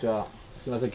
すみません